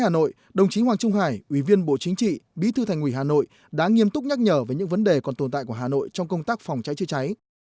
hà nội đồng chí hoàng trung hải ủy viên bộ chính trị bí thư thành ủy hà nội đã nghiêm túc nhắc nhở về những vấn đề còn tồn tại của hà nội trong công tác phòng cháy chữa cháy